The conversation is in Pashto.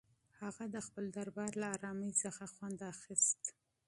هغه د خپل دربار له ارامۍ څخه خوند اخیست.